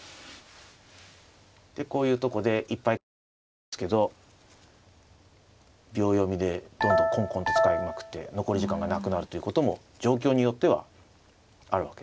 でこういうとこでいっぱい考えたいんですけど秒読みでどんどんこんこんと使いまくって残り時間がなくなるということも状況によってはあるわけですね。